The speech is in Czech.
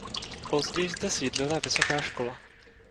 Později zde sídlila vysoká škola.